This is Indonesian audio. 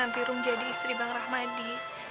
nanti rung jadi istri bang rahmadi